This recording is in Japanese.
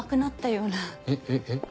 えっ？えっ？えっ。